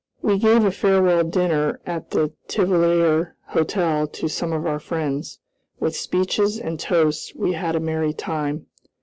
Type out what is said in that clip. We gave a farewell dinner at the Tivollier Hotel to some of our friends. With speeches and toasts we had a merry time.